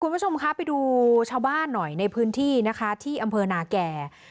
คุณผู้ชมคะไปดูชาวบ้านหน่อยในพื้นที่นะคะที่อำเภอนาแก่